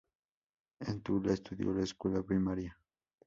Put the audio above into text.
En Tula estudió la escuela primaria.